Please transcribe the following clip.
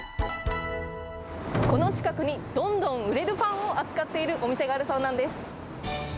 この近くにどんどん売れるパンを扱っているお店があるそうなんです。